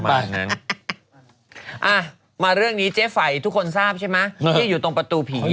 มาเรื่องนี้เจ๊ไฟทุกคนทราบใช่ไหมที่อยู่ตรงประตูผี